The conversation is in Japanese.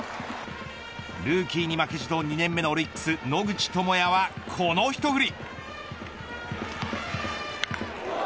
ルーキーに負けじと２年目のオリックス野口智哉はこの一振り。